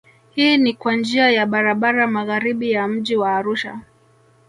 Hii ni kwa njia ya barabara magharibi ya mji wa Arusha